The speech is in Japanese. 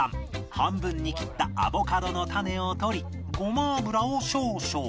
半分に切ったアボカドの種を取りごま油を少々